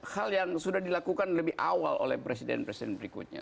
hal yang sudah dilakukan lebih awal oleh presiden presiden berikutnya